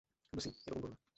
Lucy, এরকম করো না!